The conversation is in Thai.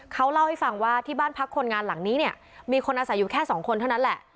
เขาเล่าให้ฟังว่าที่บ้านพักคนงานหลังนี้เนี่ยมีคนอาศัยอยู่แค่สองคนเท่านั้นแหละ